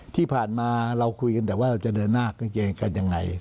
ที่ผ่านมาเราคุยกันแต่ว่าเราจะเดินหน้ากันอย่างไร